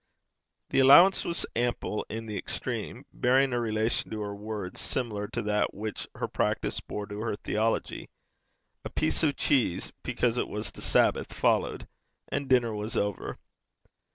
The allowance was ample in the extreme, bearing a relation to her words similar to that which her practice bore to her theology. A piece of cheese, because it was the Sabbath, followed, and dinner was over.